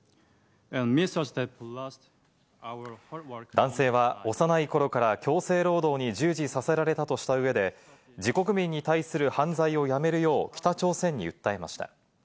男性は、幼い頃から強制労働に従事させられたとした上で、自国民に対する犯罪をやめるよう北朝鮮に訴えました。